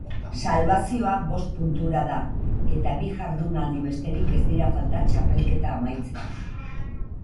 Salbazioa bost puntura da eta bi jardunaldi besterik ez dira falta txapelketa amaitzeko.